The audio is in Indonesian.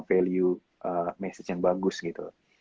value message yang bagus gitu